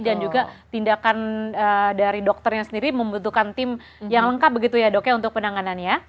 dan juga tindakan dari dokternya sendiri membutuhkan tim yang lengkap begitu ya dok ya untuk penanganannya